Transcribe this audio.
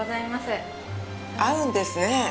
合うんですねぇ。